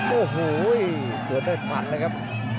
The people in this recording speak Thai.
โอ้โหส่วนเนินพันเลยครับ